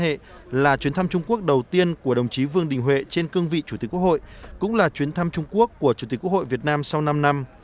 đây là chuyến thăm trung quốc đầu tiên của đồng chí vương đình huệ trên cương vị chủ tịch quốc hội cũng là chuyến thăm trung quốc của chủ tịch quốc hội việt nam sau năm năm